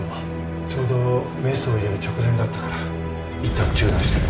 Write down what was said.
ちょうどメスを入れる直前だったからいったん中断してる。